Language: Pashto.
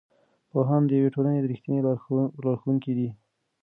پوهان د یوې ټولنې رښتیني لارښوونکي دي.